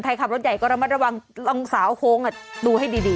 ใครขับรถใหญ่ก็ระมัดระวังลองสาวโค้งดูให้ดี